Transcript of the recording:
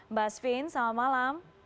mbak asvin selamat malam